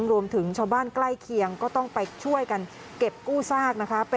รวมถึงชาวบ้านใกล้เคียงก็ต้องไปช่วยกันเก็บกู้ซากนะคะ